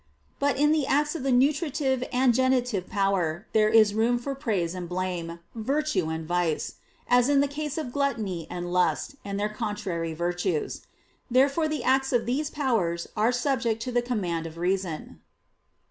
But in the acts of the nutritive and generative power, there is room for praise and blame, virtue and vice: as in the case of gluttony and lust, and their contrary virtues. Therefore the acts of these powers are subject to the command of reason.